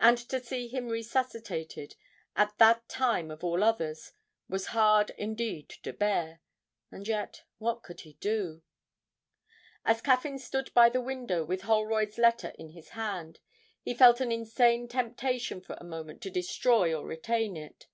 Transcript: And to see him resuscitated, at that time of all others, was hard indeed to bear. And yet what could he do? As Caffyn stood by the window with Holroyd's letter in his hand, he felt an insane temptation for a moment to destroy or retain it.